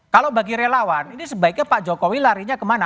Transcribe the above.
kalau bagi relawan ini sebaiknya pak jokowi larinya kemana